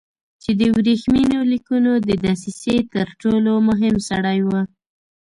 چې د ورېښمینو لیکونو د دسیسې تر ټولو مهم سړی و.